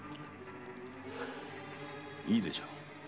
いいでしょう。